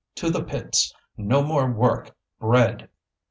"To the pits! No more work! Bread!"